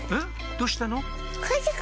どうしたの？